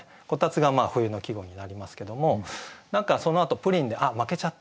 「炬燵」が冬の季語になりますけども何かそのあと「プリン」で「あっ負けちゃった」。